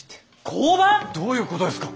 どういうことですか？